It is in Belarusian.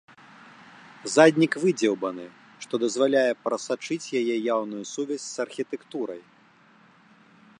Заднік выдзеўбаны, што дазваляе прасачыць яе яўную сувязь з архітэктурай.